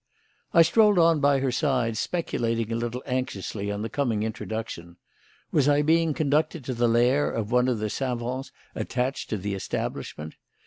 I strolled on by her side, speculating a little anxiously on the coming introduction. Was I being conducted to the lair of one of the savants attached to the establishment?